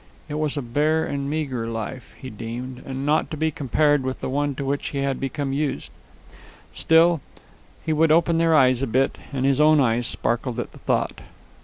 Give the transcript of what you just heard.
It was a bare and meagre life, he deemed, and not to be compared to the one to which he had become used. Still, he would open their eyes a bit, and his own eyes sparkled at the thought.